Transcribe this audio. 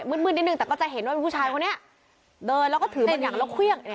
มืดนิดนึงแต่ก็จะเห็นว่ามีผู้ชายคนนี้เดินแล้วก็ถือเป็นอย่างแล้วเครื่อง